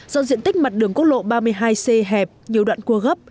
do diện tích mặt đường quốc lộ ba mươi hai c hẹp nhiều đoạn cua gấp